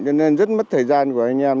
cho nên rất mất thời gian của anh em